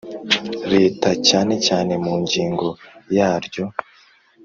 Leta cyane cyane mu ngingo yaryo